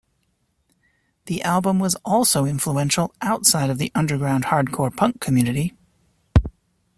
The album was also influential outside of the underground hardcore punk community.